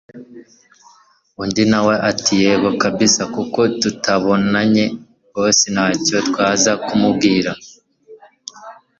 undi nawe ati yego kabsa, kuko tutababonye boss ntacyo twaza kumubwira